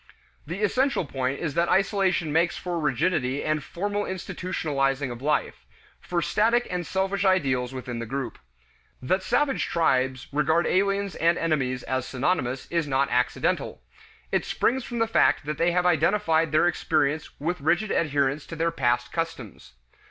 The essential point is that isolation makes for rigidity and formal institutionalizing of life, for static and selfish ideals within the group. That savage tribes regard aliens and enemies as synonymous is not accidental. It springs from the fact that they have identified their experience with rigid adherence to their past customs.